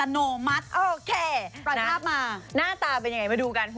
น้ำอัดลม